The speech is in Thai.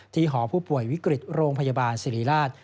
หอผู้ป่วยวิกฤตโรงพยาบาลสิริราช